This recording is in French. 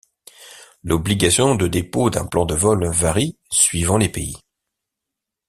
L'obligation de dépôt d'un plan de vol varie suivant les pays.